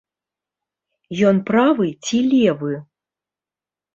Ён правы ці левы?